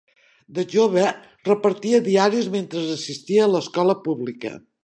De jove, repartia diaris mentre assistia a l'escola pública.